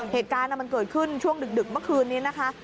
เหตุการณ์มันเกิดขึ้นช่วงดึกเมื่อคืนนี้นะคะ